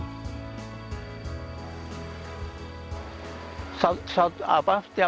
bagaimana peradahan terowongan air di desa windu jaya